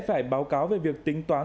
sẽ phải báo cáo về việc tính toán